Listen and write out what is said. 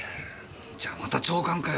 じゃあまた長官かよ。